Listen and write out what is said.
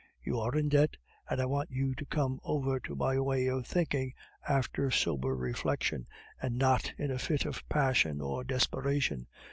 You are in debt, and I want you to come over to my way of thinking after sober reflection, and not in a fit of passion or desperation.